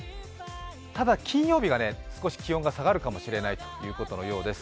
ただ金曜日がね、少し気温が下がるかもしれないということのようです。